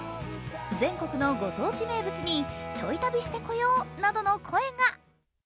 全国のご当地名物にちょい旅してこようなどの声が。